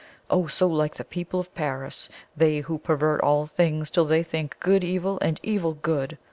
Oh, so like the people of Paris they who pervert all things till they think good evil and evil good!